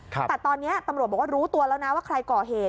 แต่ตอนนี้ตำรวจบอกว่ารู้ตัวแล้วนะว่าใครก่อเหตุ